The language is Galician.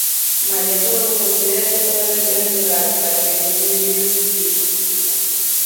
Malia todo, considera que pode haber penas legais para quen difunde vídeos deste tipo.